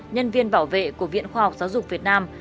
nhân viên bảo vệ của viện khoa học giáo dục việt nam